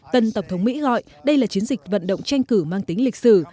tân tổng thống mỹ gọi đây là chiến dịch vận động tranh cử mang tính lịch sử